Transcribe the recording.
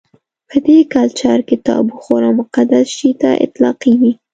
په دې کلچر کې تابو خورا مقدس شي ته اطلاقېږي.